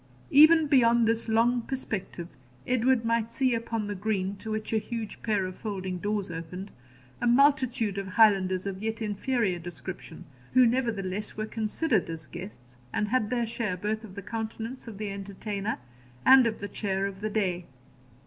Even beyond this long perspective, Edward might see upon the green, to which a huge pair of folding doors opened, a multitude of Highlanders of a yet inferior description, who, nevertheless, were considered as guests, and had their share both of the countenance of the entertainer and of the cheer of the day.